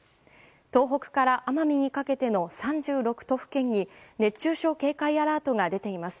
東北から奄美にかけての３６都府県に熱中症警戒アラートが出ています。